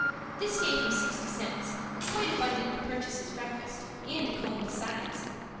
This gave him sixty cents, quite abundant to purchase his breakfast, and a comb besides.